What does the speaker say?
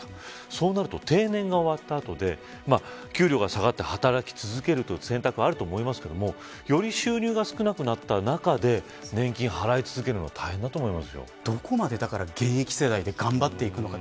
そうなると定年が終わった後で給料が下がって働き続けるという選択はありますがより収入が少なくなった中で年金を払い続けるのはどこまで現役世代で頑張っていくのか。